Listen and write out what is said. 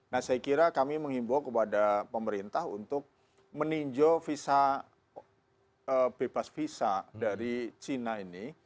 nah saya kira kami mengimbau kepada pemerintah untuk meninjau visa bebas visa dari china ini